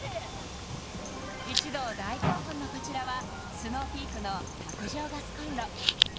一同大興奮のこちらはＳｎｏｗＰｅａｋの卓上ガスコンロ